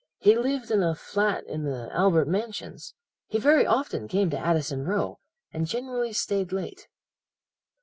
He lived in a flat in the Albert Mansions. He very often came to Addison Row, and generally stayed late.'